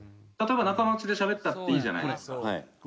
例えば仲間内で喋ったっていいじゃないですか。